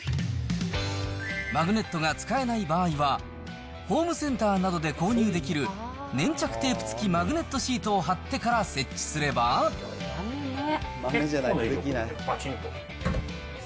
マグネットが使えない場合は、ホームセンターなどで購入できる粘着テープ付きマグネットシートばちんと。